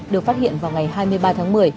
được phát hiện vào ngày hai mươi ba tháng một mươi